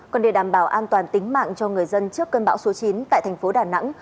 còn để đảm bảo an toàn tính mạng cho người dân trước cơn bão số chín tại thành phố đà nẵng